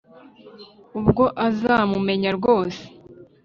ubwo uzamumenya rwose